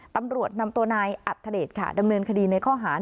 ตำรวจนำตัวนายอัธเดชค่ะดำเนินคดีในข้อหาร